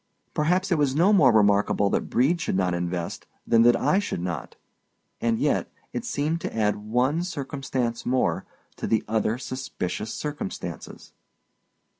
Perhaps it was no more remarkable that Brede should not invest than that I should not—and yet, it seemed to add one circumstance more to the other suspicious circumstances.